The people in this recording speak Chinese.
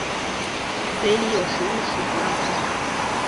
嘴里有食物时不要说话。